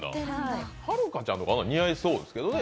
はるかちゃんとか、ああいうの似合いそうですけどね。